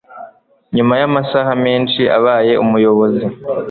nyuma yamasaha menshi abaye umuyobozi